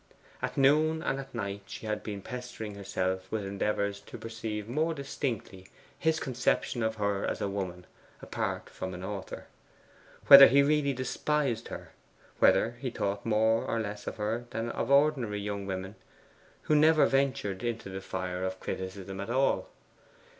At noon and at night she had been pestering herself with endeavours to perceive more distinctly his conception of her as a woman apart from an author: whether he really despised her; whether he thought more or less of her than of ordinary young women who never ventured into the fire of criticism at all.